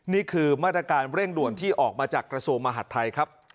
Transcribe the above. นี่คือมาตรการเร่งด่วนที่ออกมาจากกระทรวงมหาดไทยครับ